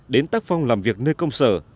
đến tác phong làm việc nơi công sở